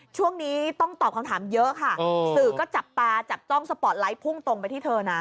ช่วงนี้ต้องตอบคำถามเยอะค่ะสื่อก็จับตาจับจ้องสปอร์ตไลท์พุ่งตรงไปที่เธอนะ